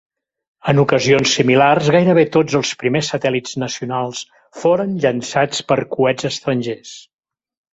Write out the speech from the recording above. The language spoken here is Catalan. En ocasions similars, gairebé tots els primers satèl·lits nacionals foren llançats per coets estrangers.